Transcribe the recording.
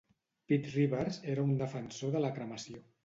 Pitt Rivers era un defensor de la cremació.